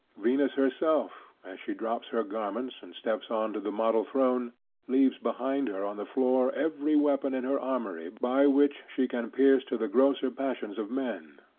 Venus herself, as she drops her garments and steps on to the model throne, leaves behind her on the floor every weapon in her armory by which she can pierce to the grosser passions of men."